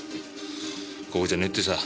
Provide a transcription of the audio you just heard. ここじゃねぇってさ。